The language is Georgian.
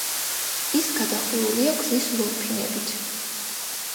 ის გადახურულია ქვის ლორფინებით.